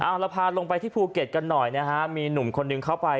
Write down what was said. เอาเราพาลงไปที่ภูเก็ตกันหน่อยนะฮะมีหนุ่มคนหนึ่งเข้าไป